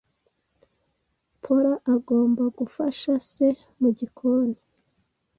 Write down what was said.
Paula agomba gufasha se mugikoni.